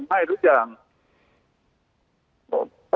มันก็